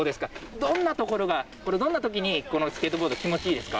どんなところが、これ、どんなときに、このスケートボード気持ちいいですか？